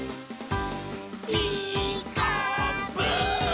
「ピーカーブ！」